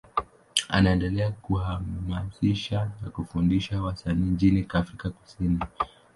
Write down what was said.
Anaendelea kuhamasisha na kufundisha wasanii nchini Afrika Kusini.